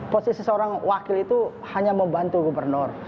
posisi seorang wakil itu hanya membantu gubernur